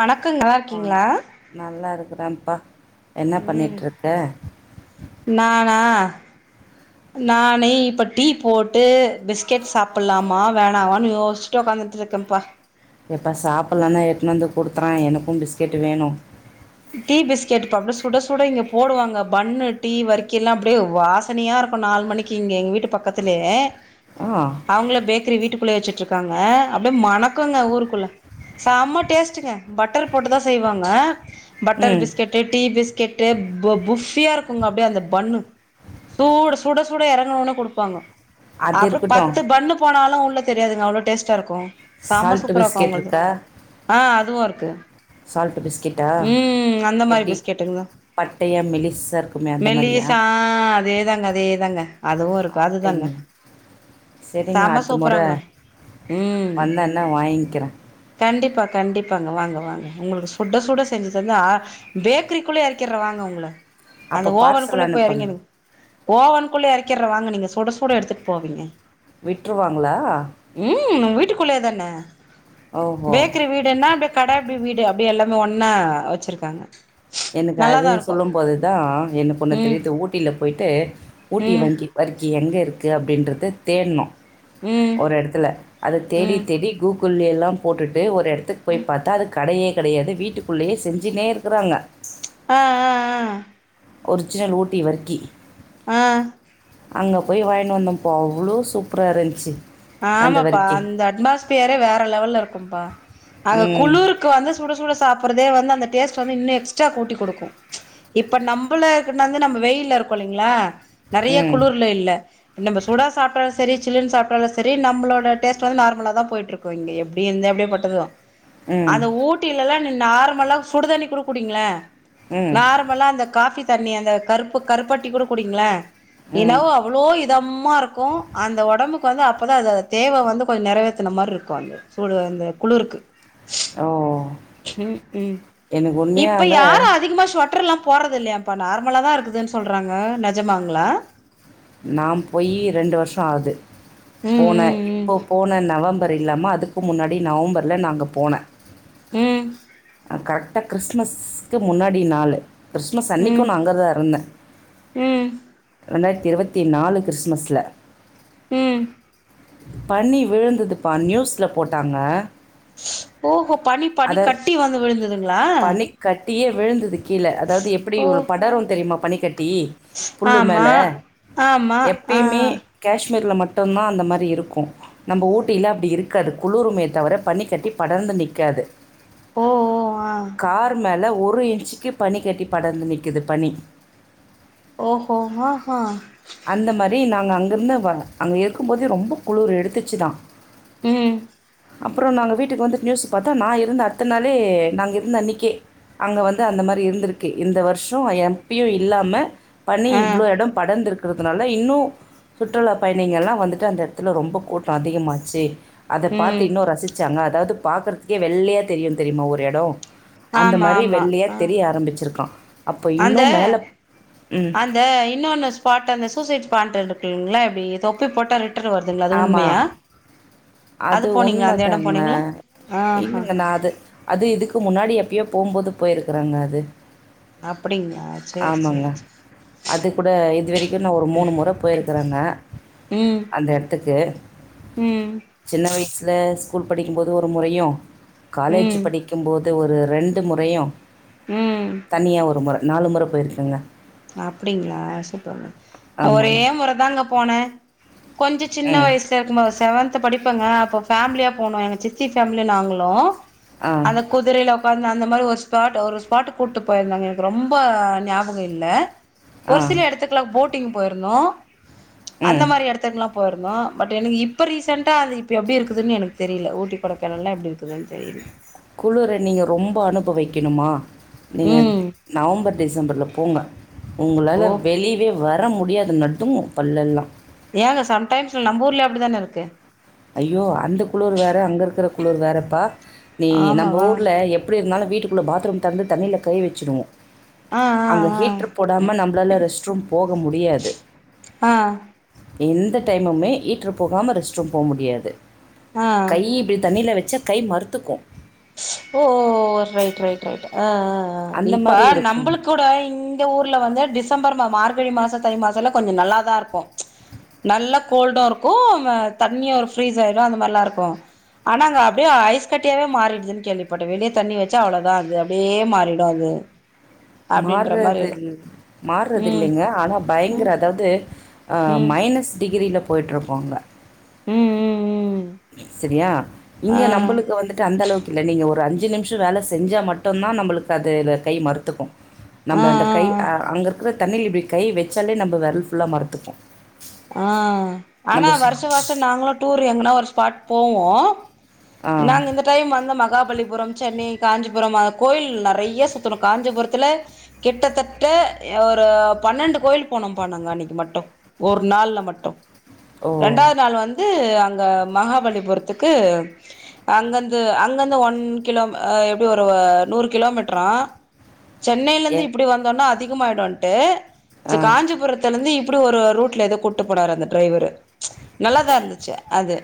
வணக்கங் நல்லா ஆ இருக்கீங்ளா நல்லா இருக்குறேப்பா என்னா பண்ணிட்டு இருக்க நானா நானே இப்போ டீ போட்டு பிஸ்கெட் சாப்ட்லாமா வேணாவனு யோச்ட்டு உக்காந்துட்டு இருக்கேப்பா எப்பா சாப்ட்லனா எடுதுன்னு வந்து குடுத்துறே எனக்கு பிஸ்கெட் வேணு டீ பிஸ்கெட்ப்பா அப்டியே சுட சுட இங்க போடுவாங்க பன்னு டீ வர்க்கி எல்லா அப்டியே வாசனையா இருக்கு நாலு மணிக் க்கி எங்க வீட்டு பக்கத்துலயே ஆ அவங்களே பேக்கரி வீட்டுக்குள்ளே வெச்சிட்டு இருக்காங்க அப்டியே மணக்குங்க ஊருக்குள்ள சேம்மா டேஸ்ட்டுங்க பட்டர் போட்டு தா செய்வாங்க பட்டர் ம் பிஸ்கட் டீ பிஸ்கெட்டு ப ஃபுப்பியா இருக்குங்க அப்டியே அந்த பண்ணு சூடு சுட சுட எறங்கண ஒடனே குடுப்பாங்க அது அப்றோ இருக்கட்டும் பத்து பண்ணு போனாலு உள்ள தெரியாதுங்க அவ்ளோ டேஸ்ட்டா இருக்கு ஆ செம சால்ட் சூப்பர இருக்கு பிஸ்கெட் அவங்களுது ஆ அதுவு இருக்கு சால்ட்டு பிஸ்கெட்டா ம் அந்த மாரி எப்டி பிஸ்கெட்டுங்க பட்டையா மெலிசா இருக்குமே அந்த மாரியா மெலிசா ஆ அதே தாங்க அதே தாங்க அதுவு இருக் அப்டிங் செரிங்க செம அடுத்த முற சூப்பராங்க ம் வந்தேன வாங்கிறே கண்டிப்பா கண்டிப்பாங்க வாங்க வாங்க உங்களுக்கு சுட சுட செஞ்சு தந்த பேக்கரிக்குள்ளே எறக்கிறே வாங்க உங்கள அப்போ அந்த பார்சல் ஓவனுக்குள்ளே போய் அனுப்புங்க எறங்கி ஓவனுக்குள்ளே எறக்கிற வாங்க நீங்க சுட சுட எடுத்துட்டு போவீங்க விட்ருவாங்களா ம் வீட்டுக்குள்ளே தான ஓஹோ பேக்கரி வீடு எப்டின்ன அப்டி கட அப்டி வீடு அப்டி எல்லாமே ஒன்னா வெச்சிருக்காங்க எனக்கு அது சொல்லு போது தா எனக்கு ஒன்னு ம் தெரியுது ஊட்டியில போயிட்டு ஊட்டி ம் வங்கி வர்க்கி எங்க இருக்கு அப்டின்றது தேட்னோ ம் ஒரு எடத்துல அத தேடி ம் தேடி கூகுள்ளே எல்லா போட்டுட்டு ஒரு எடத்துக்கு போய் பாத்தா அது கடையே கெடையாது வீட்டுக்குள்ளேயே செஞ்சுனே இருக்கிறாங்க ஆ ஆ ஆ ஒரிஜினல் ஊட்டி வர்க்கி ஆ அங்க போய் வாங்கின்னு வந்தோ பா அவ்ளோ சூப்ரா இருந்துச்சு அந்த ஆமாப்பா வர்க்கி அந்த அட்மாஸ்பியரே வேற லெவல்ல இருக்கும்ப்பா அங்க ம் குளுருக் க்கு வந்து சுட சுட சாப்பிட்றதே வந்து அந்த டேஸ்ட் வந்து இன்னு எக்ஸ்ட்ரா கூட்டி குடுக்கு இப்ப நம்பளே வந்து நம்ம வெயில இருக்கோ இல்லிங்ளா நெறைய ம் குளிர்ல இல்ல நம்ம சூடா சாப்பிட்டாலு செரி சில்ன்னு சாப்பிட்டாலு செரி நம்ளோட டேஸ்ட் வந்து நார்மலா தா போயிட்டு இருக்கு இங்க எப்டி இருந்த எப்பேர் பட்டது ம் அந்த ஊட் ஊட்டில்லா நீ நார்மலாக சுடுதண்ணி கூட குடிங்களே ம் நார் நார்மல அந்த காஃபி தண்ணி அந்த கருப்பு கருப்பட்டி கூட குடிங்களே ம் என்னவோ அவ்ளோ இதமா இருக்கு அந்த ஒடம்புக்கு வந்து அ அதா அதா அத தேவ வந்து கொஞ்சோ நெறவேத்துன மாரி இருக்கு அந்த சூடு அந்த குளுருக்கு ஓ ம் ம் எனக்கு இப்ப உண்மையாக யாரு அதிகமா ஸொட்டர்ல்லா போறது இல்லையாம்ப்பா நார்மலா தா இருக்குதுன்னு சொல்றாங்க நெஜமாங்ளா நாம் போயி ரெண்டு வருஷோ ஆது போன ம் இப்ப போன நவம்பர் இல்லாம அதுக்கு முன்னாடி நவம்பர்ல நா அங்க போன ம் கரெக்டா கிறிஸ்மஸ்க்கு முன்னாடி நாளு கிறிஸ்மஸ் ம் அன்னைக்கு நா அங்க தா இருந்த ம் ம் ரெண்டாயிரத்தி இருவத்தி நாலு கிறிஸ்மஸ்ல ம் பண்ணி விழுந்ததுப்பா நியூஸ்ல போட்டாங்க ஓஹோ பனி பனி அதை கட்டி வந்து விழுந்ததுங்ளா பனிக்கட்டியே விழுந்தது கீழ அதாவது எப்படி இவ்ளோ ஓ படரு தெரிமா பனிக்கட்டி புல்லு ஆமா மேல ஆமா ஆ எப்பயுமே கஷ்மீர்ல மட்டுந்தா அந்த மாரி இருக்கு நம்ப ஊட்டில அப்டி இருக்காது குளுருமே தவர பணி கட்டி படர்ந்து நிக்காது ஓ ஓ ஆ கார் மேல ஒரு இன்ச்சுக்கு பனி கட்டி படர்ந்து நிக்கிது பனி ஓ ஹோ ஆ ஹா அந்த மாரி நாங்க அங்கருந்து வ அங்க இருக்கும் போது ரொம்ப குளுரு எடுத்துச்சி தா ம் அப்புறோ நாங்க வீட்டுக்கு வந்துட்டு நியூஸ் பாத்தா நா இருந்த அட்த்தனாளே நாங்க இருந்த அன்னைக்கே அங்க வந்து அந்த மாரி இருந்திருக்கு இந்த வருஷோ எம்பியு இல்லாம பனி ஆ இவ்ளோ எடோ படந்திருக்கு க்கிறதுனால இன்னு சுற்றுலா பயணிங்கல்லா வந்துட்டு அந்த இடத்துல ரொம்ப கூட்டோ அதிகமாச்சி அத பாத்து ம் இன்னோ ரசிச்சாங்க அதாவது பாக்றதுக்கே வெள்ளையா தெரியு தெரியுமா ஒரு எடோ அந்த ஆமா மாரி ஆமா வெள்ளையா ஆ தெரிய ஆரம்பிச்சிருக்கா அப்போ இன்னு மேல ம் இந்த இன்னொன்னு ஸ்பாட் அந்த சூசைட் ஸ்பாட் இருக்குங்களா இப்டி தொப்பி போட்டா ரிட் டன் வருதுங்குல அது உண்மையா ஆமாம் அது போனீங்ளா அந்த எடோ போனீங்ளா ஆஹாஹா து அது இதுக்கு முன்னாடி எப்பயோ போம்போது போயிருக்குறங்க அது அப்டிங்ளா சேர் சேரி சேரி அதுக்கூட இது வரைக்கு நா ஒரு மூணு முற போய்ருக்குறங்க ம் அந்த எடத்துக்கு ம் சின்ன வயசில ஸ்கூல் படிக்கும்போது ஒரு முறையு காலேஜ் ம் படிக் கும் போது ஒரு ரெண்டு முறையு ம் தனியா ஒரு முற நாலு முற போயிருக்கங்க அப்டிங்ளா சூப்பர்ங்க நா ஒரே ஆமாங்க. முறதாங்க போன கொஞ்ச சின்ன ம். வயசு த இருக்கும்போது செவன்த் படிப்பங்க அப்ப ஃபேமிலியா போனோ எங்க சித்தி ஃபேமிலி நாங்களு ஆ. அந்த குதிரைல உக்காந்து அந்த மாரி ஒரு ஸ்பாட் ஒரு ஸ்பாட் கூட்டு போய்ருந்தாங்க எனக்கு ரொம்ப ஞாபக இருக் இல்ல ஆ. ஒரு சில எடத்துக்கல்லா போட்டிங் போய்ருந்தோ அந்த ம். மாரி எடத் துக்கல்லா போயிருந்தோ பட் எனக்கு இப்ப ரீசன்ண்டா அது இப்ப எப்டி இருக்குதுனு எனக்கு தெரியல ஊட்டி கொடைகானல்லா எப்டி இருக்குதுன் தெரில குளுர நீங்க ரொம்ப அனுபவிக்கணுமா நீங்க ம் நவம்பர் டிசம்பர்ல போங்க ஓ உங்களால வெளிவே வர வர முடியாது நடுங்கும் பல்லெல்லா ஏங்க சம்டைம்ஸ்ல நம்ப ஊர்லயு அப்டிதான இருக்கு ஐயோ அந்த குளுரு வேற அங்க இருக்கிற குளுரு வேறப்பா நீ நம்ப ஆமாவா ஊர்ல எப் ப்டி இருந்தாலு வீட்டுக்குள்ள பாத்ரூம் தெறந்து தண்ணில கை வச்சுடுவோ ஆ ஆ அங்க ஹீட்ரு போடாம நம்பளால ரெஸ்ட் ரூம் போக முடியாது ஆ எந்த டைமுமே ஹீட்ரு போகாம ரெஸ்ட் ரூம் போ முடியாது ஆ ஆ கை இப்டி தண்ணியில வச்சா கை மறுத்துக்கு ஓ ஓ ஓ ஓ ஓ ரைட் ரைட் ரைட் ஆ ஆ ஆ அந்த இப்ப மாதிரி இருக்கும் நம்புளுக் கூட இங் ங்க ஊர்ல வந்து டிசம்பர் மா மார்கழி மாச தை மாச எல்லா கொஞ்சோ நல்லாதா இருக்கு நல்ல கோல்டு இருக்கு ஆ தண்ணியே ஒரு ஃப்ரீஸ் ஆயிடு அந்த மாரில்லா இருக்கு ஆனா அங்க அப்டியே ஐஸ் கட்டியாவே மாறிடுது கேள்விப்பட்ட வெளியே தண்ணி வச்சா அவ்ளோதா அது அப்டியே மாறிடும் அது அப்டின்ற மாரி மார்றது இரு இல் மார்றது ம் இல்லிங்க ஆனா ம் பயங்கர அதாவது ஆ ம் மைனஸ் டிகிரியில போய்ட்ருக்கு அங்க ம் ம் ம் சரியா ஆ இங்க நம்பளுக்கு வந்துட்டு அந்தளவுக்கு இல்ல நீங்க ஒரு அஞ்சு நிமி ஷ வேல செஞ்சா மட்டுந்தா நம்புளுக்கு அது கை மறுத்துக்கு நம்ப அந்த கை ஆ அங்கருக்கற தண்ணில இப்டி கை வச்சாலே நம்ப வெரல் ஃபுல்லா மறுத்துக்கு ஆ ஆனா வருஷ சு- வருஷோ நாங்களு டூர் எங்கனா ஒரு ஸ்பாட் போவோ ஆ நாங்க இந்த டைம் வந்து மகாபலிபுரம் சென்னை காஞ்சிபுரம் அது கோயில் நறைய சுத்தணு காஞ்சிபுரத்துல கிட்டத்தட்ட ஒரு பன்னண்டு கோயில் போனோப்பா நாங்க அன்னிக்கு மட்டு ஒரு நாள்ல மட்டு ஓ ரெண்டாவுது நாள் வந்து அங்க மகாபலிபுரத்துக்கு அங்கருந்து அங்கருந்து ஒன் கிலோ ஆ எப்டி ஒரு நூறு கிலோ மீட்டரா ஏ சென்னைலேந்து இப்டி வந்தோன்னா அதிகமாயிடுன்ட்டு சி ஆ காஞ்சிபுரத்தலந்து இப்டி ஒரு ரூட் ல ஏதோ கூட்டு போனாரு அந்த டிரைவரு நல்லாதா இருந்துச்சு அது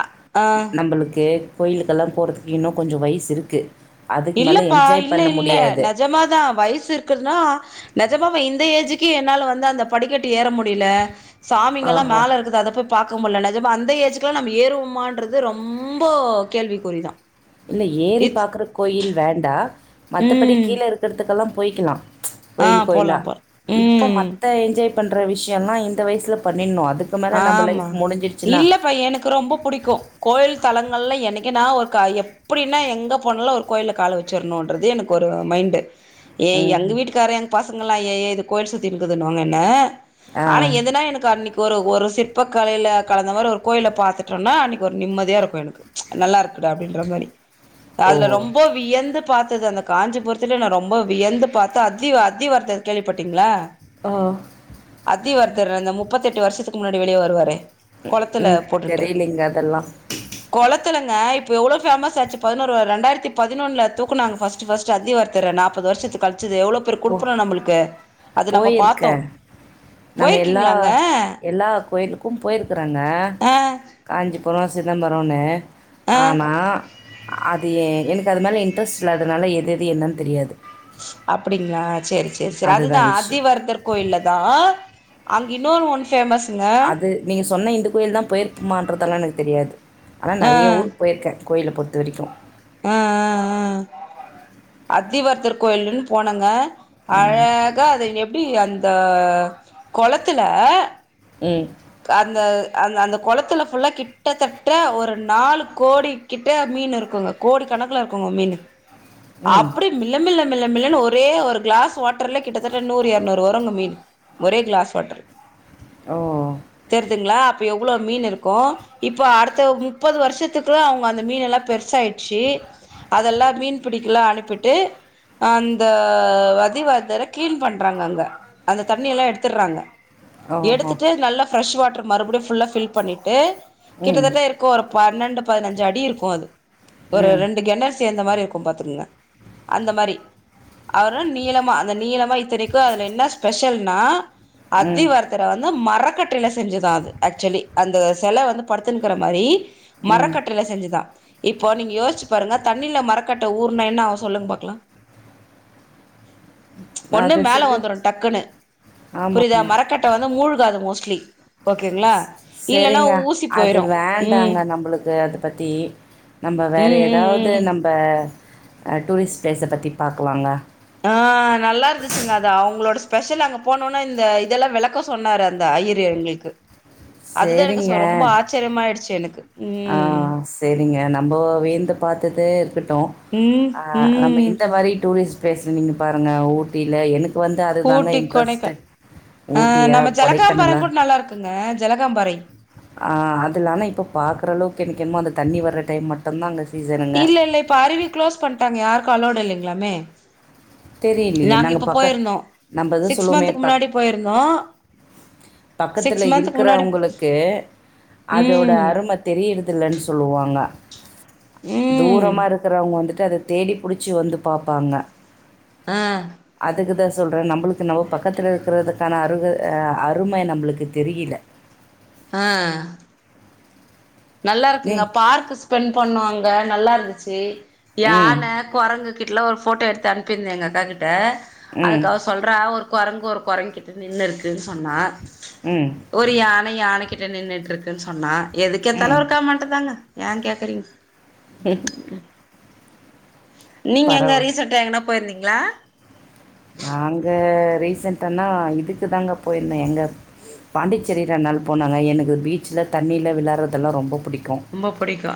அ ஆ எங்களுக்கு கோயிலுக்கல்லா போறதுக்கு இன்னு கொஞ்ச வயிசுருக்கு இல்லப்பா இல்ல இல்ல நெஜமாதா வயசு இருக் க்குன்னா நெஜமாவ இந்த ஏஜுக்கு என்னால வந்து அந்த படிக்கட்டு ஏற முடில ஆ சாமிங்கல்லா ஓ மேல இருக்குது அத போய் பாக்க முல்ல நெஜமா அந்த ஏஜுக்கெல்லா நம்ம ஏறுவோமான்றது ரொம்ப கேள்விக்குறிதா இல்ல ஏறி இத் பாக்கற கோயில் வேண்டா மத்தபடி ம் கீழ இருக்கறதுக்கெல்லா போயிக்கலா ஆ கோயில் கோயிலா போலா போலா இப்ப ம் மத்த என்ஜாய் பண்ற விஷியல்லா இந்த வயிசுல பண்ணிட்ணு அதுக் ஆமா இல்லப்பா எனக்கு ரொம்ப புடிக்கு கோயில் தளங்கள்லா என்னைக்கினா ஒரு கா எப் பிடின்னா எங்க போனாலு ஒரு கோயில்ல கால வச்சிரணுன்றது எனக்கு ஒரு மைண்டு ஏய் ம் எங்க வீட்டுக்காரு எங்க பசங்கள்லா ஏய் இது கோயிலு சுத்தின்குதுன்னுவாங்க என்ன ஆ ஆனா எதுனா எனக்கு அன்னிக் ஒரு ஒரு சிற்பக்கலைல கலந்த மாரி ஒரு கோயில பாத்துட்டேன்னா அன்னைக்கு ஒரு நிம்மதியாக இருக்கும் எனக்கு நல்லா இருக்குடா அப்டின்ற மாரி ஓ அதுல ரொம்போ வியந்து பாத்தது அந்த காஞ்சிபுரத்துலே நா ரொம்ப வியந்து பாத்து அத்தி அத்தி வர்த்தர் கேள்விப்பட்டீங்ளா ஆ அத்திவர்தர் அந்த முப்பத்தெட்டு வர்ஷத்துக்கு முன்னாடி வெளிய வருவாரே ம் ம் தெரிலைங்க அதல்லா கொளத்துலங்க இப்ப எவ்ளோ ஃபேமஸ் ஆச்சு பதினொரு வ ரெண்டாயிரத்தி பதினொன்ல தூக்குனாங்க ஃபஸ் ட்டு ஃபஸ்ட் அத்திவர்தர நாப்பது வர்ஷத்து கழ்ச்சது எவ்ளோ எப்பேற் போ குடுப்பன நம்ளுக்கு அது நம்ப பாத்தோ போயிருக்கேன் நாங்கள் எல்லா போய்ருக்கீங்களாங்க எல்லா கோயிலுக்கு போயிருக்கறங்க ஆ காஞ்சிபுரோ சிதம்பரோனு ஆ ஆனா அது எ எனக்கு அது மேல இன்ட்ரஸ்ட் இல்லாதனால எது எது என்னன் தெரியாது அப்டிங்களா சேரி சேர் சேர் அதுதா அதுதான் விஷயம். அத்திவர்தர் கோயில்லதா அங் இன்னொரு ஒன் ஃபேமஸுங்க அது நீங்க சொன்ன இந்த கோயில்தா போயிருப்பமான்றதல்லா எனக்கு தெரியாது ஆனா ஆ நறைய ஊருக்கு போயிருக்க கோயில்ல பொறுத்த வரிக்கு ஆ ஆ ஆ அத்திவர்த்தர் கோயிலுன் போனங்க ம். அழகா அது எப்டி அந்த கொளத்துல ம் அந்த அந்த அந்த கொளத்துல ஃபுல்லா கிட்டத்தட்ட ஒரு நாலு கோடி கிட்ட மீனு இருக்குங்க கோடி கணக்குல இருக்குங்க மீனு ம். அப்டி மில்லமில்ல மில்லமில்லனு ஒரே ஒரு கிளாஸ் வாட்ருல கிட்டத்தட்ட நூறு எர்நூறு வருங்க மீனு ஒரே க்ளாஸ் வாட்ரு ஓ தெர்துங்ளா அப்ப எவ்ளோ மீனிருக்கு இப்ப அடுத்த முப்பது வர்ஷத்துக்குள்ள அவுங்க அந்த மீனல்லா பெருசாய்ச்சி அதல்லா மீன் பிடிக்லா அனுப்பிட்டு அந்த வதிவர்தர கிளீன் பண்றாங்க அங்க அந்த தண்ணி எல்லா எடுத்துட்றாங்க ஓஹோ! எடுத்துட்டு நல்ல பிரெஷ் வாட்டர் மறுப்டியு ஃபுல்லா ஃபில் பண்ணிட்டு ம். கிட்டத்தட்ட இரு க்கு ஒரு பன்னெண்டு பதினஞ்சு அடி இருக்கு அது ஒரு ம். ரெண்டு கெணறு சேந்த மாரி இருக்கு பாத்துங்க அந்த மாரி அவரு நீளமா அந்த நீளமா இத்தனைக்கு அதுல என்ன ஸ்பெஷல்னா அத்தி ம். வர்தர வ மோ மரக்கட்டைல செஞ்சதா அது ஆக்சுவலி அந்த செல வந்து படுத்துனுக்குற மாரி ம். மரக்கட்டைல செஞ்ச தா இப்போ நீங்க யோச்சு பாருங்க தண்ணில மரக்கட்ட ஊற்னா என்னாவு சொல்லுங்க பாக்லா பார்க்கலாம் [inaudible] ஒன்னு அது மேல சிலு வந்துரு டக்குன்னு புரிதா ஆமாங்க. மரக்கட்ட வந்து மூழ் காது மோஸ்ட்லி ஓகேங்ளா செரிங்க அது ம் வேண்டாங்க நம்ளுக்கு அது பத்தி நம்ப வேறு ம் ம் எதாவ்து ம் நம்ப டூரிஸ்ட் ப்ளேஸ பத்தி பாக்லாங்க ஆ நல்லாருந்துச்சுங்க அது அவுங்களோட ஸ்பெஷல் அங்க போனோன இந்த இதெல்லா வெளக்கோ சொன்னாரு அந்த ஐயரு எங்ளுக்கு அதுதா எங்க சொ ரொம்ப சரிங்க. ஆச்சிரியமாய்டுச்சு எனக்கு ஆ ம் செரிங்க நம்ப வியந்து பாத்ததே இருக்கட்டு ம் ஆ நம்ப ம் இந்த மாரி டூரிஸ்ட் ப்ளேஸ்ல நீங்க பாருங்க ஊட்டில எனக் கு வந்து அது தாங்க ஊட்டி இன்ட்ரெஸ்ட்டு கொடைக்கான் ஆ ஊட்டியா, நம்ம ஜலகாம்பாறை கொடைக்கானலா? கூட நல்லாருக்குங்க ஜலகாம்பாறை ஆ அதுல ஆனா இப்ப பாக்குறளவுக்கு எனக்கு என்னமோ அந்த தண்ணி வர்ற டைம் மட் தந்தாங்க சீசரன் இல்ல இல்ல இப்ப அருவி க்ளோஸ் பண்ட்டாங்க யாருக்கு அலோடு இல்லைங்களாமே தெரிலியே நாங்க இப்ப பக்க போயிருந்தோ நம்ப தா சிக்ஸ் சொல்லுமே மந்த்துக்கு பா முன்னாடி போயிருந்தோ பக்கத்துல சிக்ஸ் மந்த்துக்கு முன்னாடி இருக்குறவங்களுக்கு அதோட ம் அரும தெரியிறதுல்லன் சொல்லுவாங்க ம் தூரமாக இருக்குறவங்க வந்துட்டு அது தேடி புடிச்சி வந்து பாப்பாங்க ஆ அதுக்குதா சொல்றே நம்ளுக்கு நம்ம பக்கத்துல இருக்குறதுக்கான அருக அ அருமை நம்ளுக்கு தெரியில ஆ ஏ நல்லாருக்குங்க பார்க்கு ஸ்பெண்ட் பண்ணோ அங்க நல்லாருந்துச்சு ம் யான குரங்கு கிட்டலா ஒரு ஃபோட்டோ எடுத்து அனுப்பிருந்தேங்க அக்கா கிட்ட ம் அதுக்கு அவ சொ சொல்றா ஒரு குரங்கு ஒரு குரங்கு கிட்ட நின்னு இருக்குன்னு சொன்னா ம் ஒரு யான யானைகிட்ட நின்னுட்ருக்குன் சொன்னா எதுக்கேத்தாலு ம் ஒரு கமெண்ட் தாங்க ஏன் கேக்குறிங்க ம் ம் [inaudible] நீங்க எங்க பரவா ரீசண்டாக எங்னா போயிருந்திங்களா நாங்க ரீசென்ட்டானா இதுக்கு தாங்க போயிருந்தே எங்க பாண்டிச்சேரி ரெண் நாள் போனங்க எனக்கு பீச்ல தண்ணில விளயாட்றதெல்லா ரொம்ப புடிக்கு கு ரொம்ப புடிக்கு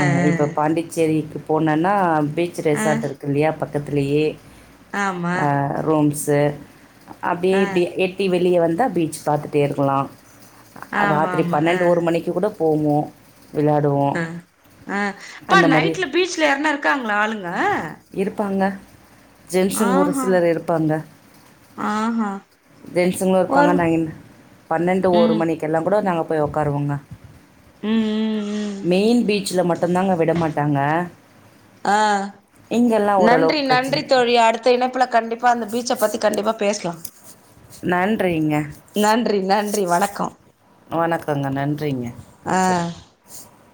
ஆ இப்ப பாண்டிச்சேரிக்கு போனன்னா பீச் ஆ ரெசார்ட் இருக்கு இல்லையா பக்கத்துலியே ஆ ரூம்ஸு அப்டியே ஆ இப்டி எட்டி வெளிய வந்தா பீச் பாத்துட்டே இருக்குலா ஆமா ராத்திரி ஆமா ஆ பன்னெண்டு ஒரு மணிக்கு கூட போவோ விளாடுவோ அ அ அப்பா நைட்ல பீச்ல யார்னா இருக்காங்ளா ஆளுங்க இருப்பாங்க ஜென்ஸுங்க ஒரு சிலர் இருப்பாங்க ஆ ஹா ஜென்ஸுங்ளு இருப்பாங்க நைட் பன்னெண்டு ஒரு ம் மணிக் கெல்லா கூட நாங்க போய் ஒக்காருவோங்க ம் ம் ம் மெயின் பீச்ல மட்டு டுந்தாங்க விட மாட்டாங்க ஆ இங்கெல்லாம் நன்றி ஓரளவுக்கு பிரச்சனை நன்றி தோழி கிடையாது அடுத் த இணைப்புல கண்டிப்பா அந்த பீச்ச பத்தி கண்டிப்பா பேஸ்லா நன்றிங்க நன்றி நன்றி வணக்கம் வணக்கங்க நன்றிங்க வச்சர்றே ஆ